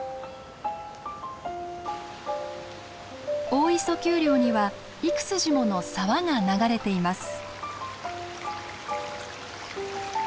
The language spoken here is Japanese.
大磯丘陵には幾筋もの沢が流れています。